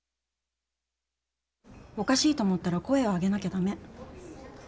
おかしいと思ったら声を上げなきゃ駄目。